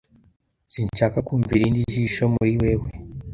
Sinshaka kumva irindi jisho muri wewe!